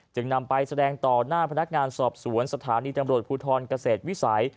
จึงนำไปแสดงต่อหน้าพนักงานสอบสวนสถานีตำรวจภูทรเกษตรวิสัย